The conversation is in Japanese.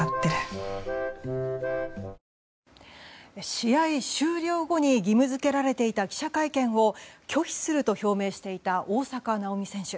試合終了後に義務付けられていた記者会見を拒否すると表明していた大坂なおみ選手。